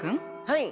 はい。